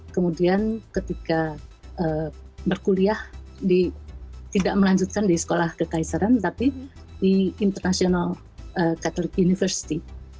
kemudian ketika berkuliah tidak melanjutkan di sekolah kekaisaran tapi di international cathelic university